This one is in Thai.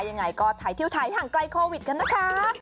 ยังไงก็ถ่ายเที่ยวไทยห่างไกลโควิดกันนะคะ